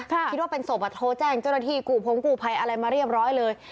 คิดว่าเป็นศพโทรแจ้งเจ้าหน้าที่กู่พงกู่ภัยอะไรมาเรียบร้อยเลย